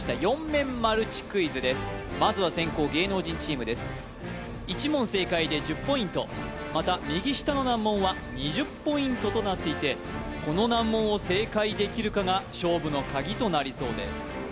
４面マルチクイズですまずは先攻芸能人チームです１問正解で１０ポイントまた右下の難問は２０ポイントとなっていてこの難問を正解できるかが勝負のカギとなりそうです